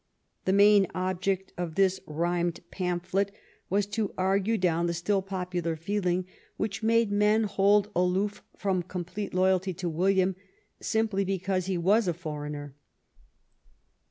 The main object of this rhymed pamphlet was to argue down the still popular feeling which made men hold aloof from complete loyalty to William simply because he was a foreigner.